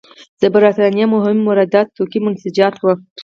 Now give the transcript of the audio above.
د برېټانیا مهم وارداتي توکي منسوجات وو.